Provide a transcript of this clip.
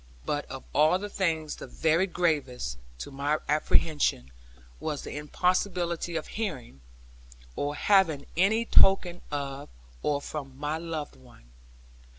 But of all things the very gravest, to my apprehension, was the impossibility of hearing, or having any token of or from my loved one.